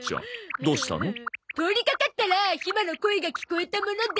通りかかったらひまの声が聞こえたもので。